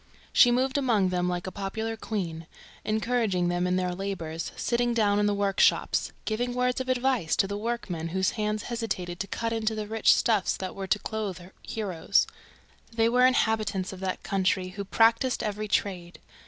She moved among them like a popular queen, encouraging them in their labors, sitting down in the workshops, giving words of advice to the workmen whose hands hesitated to cut into the rich stuffs that were to clothe heroes. There were inhabitants of that country who practised every trade.